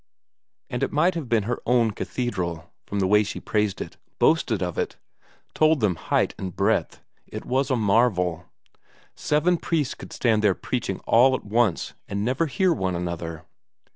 And it might have been her own cathedral, from the way she praised it, boasted of it, told them height and breadth; it was a marvel! Seven priests could stand there preaching all at once and never hear one another.